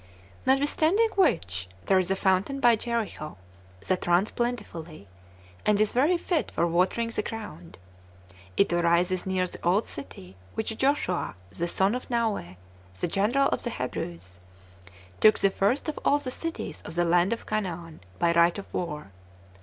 3. Notwithstanding which, there is a fountain by Jericho, that runs plentifully, and is very fit for watering the ground; it arises near the old city, which Joshua, the son of Naue, the general of the Hebrews, took the first of all the cities of the land of Canaan, by right of war.